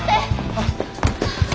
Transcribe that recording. あっ。